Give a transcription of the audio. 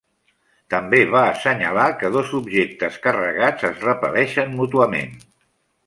També va assenyalar que dos objectes carregats es repel·leixen mútuament.